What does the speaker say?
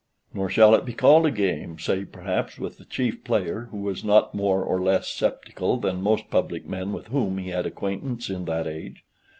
Nor shall it be called a game, save perhaps with the chief player, who was not more or less sceptical than most public men with whom he had acquaintance in that age.